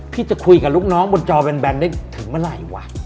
จะคุยกับลูกน้องบนจอแบนได้ถึงเมื่อไหร่วะ